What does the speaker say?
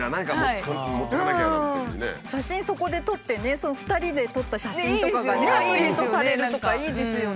写真そこで撮ってね２人で撮った写真とかがねプリントされるとかいいですよね。